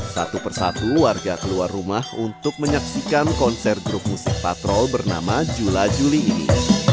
satu persatu warga keluar rumah untuk menyaksikan konser grup musik patrol bernama jula juli ini